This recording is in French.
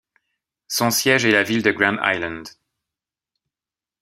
Son siège est la ville de Grand Island.